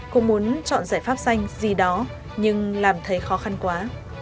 cô muốn chọn giải pháp xanh gì đó nhưng làm thấy khó khăn quá